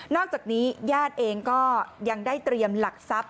อกจากนี้ญาติเองก็ยังได้เตรียมหลักทรัพย